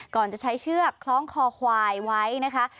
ก่อนจะใช้เชือกคล้องคอควายไว้นะคะ